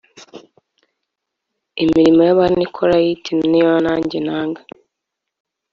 imirimo y Abanikolayiti iyo nanjye nanga